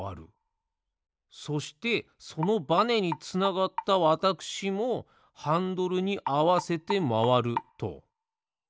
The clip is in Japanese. そしてそのバネにつながったわたくしもハンドルにあわせてまわると。